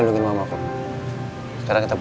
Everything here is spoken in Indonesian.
di hari pernikahan kita tapi